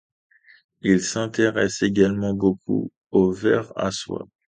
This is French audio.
Il s’intéresse également beaucoup au ver à soie.